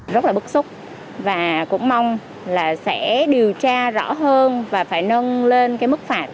rất là bức xúc và cũng mong là sẽ điều tra rõ hơn và phải nâng lên cái mức phạt